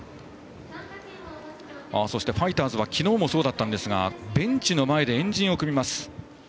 そしてファイターズは昨日もそうだったんですがベンチの前で円陣を組みます。